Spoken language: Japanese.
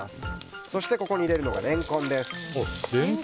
そしてここに入れるのがレンコンです。